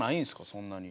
そんなに。